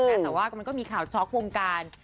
แต่ว่ามันก็มีข่าวช็อกวงการ